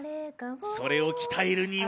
それを鍛えるには。